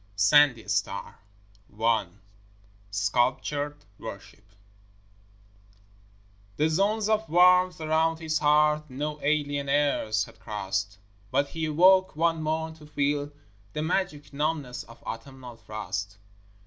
SANDY STAR I Sculptured Worship The zones of warmth around his heart, No alien airs had crossed; But he awoke one morn to feel The magic numbness of autumnal frost.